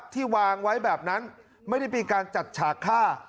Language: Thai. ที่วางไว้แบบนั้นไม่ได้มีการจัดฉากฆ่า